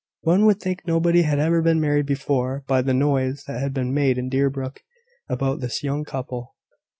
One would think nobody had ever been married before, by the noise that had been made in Deerbrook about this young couple.